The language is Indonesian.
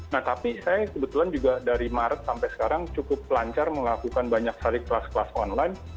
nah tapi saya kebetulan juga dari maret sampai sekarang cukup lancar melakukan banyak sekali kelas kelas online